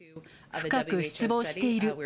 深く失望している。